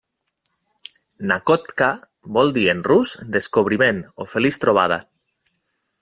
Nakhodka vol dir en rus 'descobriment' o 'feliç trobada'.